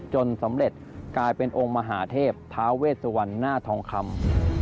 สำเร็จกลายเป็นองค์มหาเทพท้าเวสวรรณหน้าทองคำ